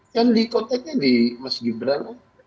kan dikonteknya di mas gibran